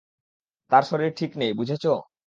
তার শরীর ঠিক নেই, বুঝেছ?